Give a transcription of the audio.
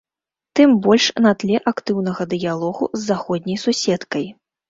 Тым больш на тле актыўнага дыялогу з заходняй суседкай.